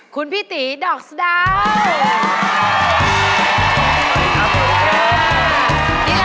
คุณพี่ตี๋ดอกส์ดาวสวัสดีครับคุณพี่ตี๋สวัสดีครับสวัสดีครับ